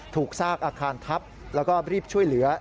ซากอาคารทับแล้วก็รีบช่วยเหลือ